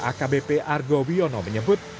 akbp argo wiono menyebut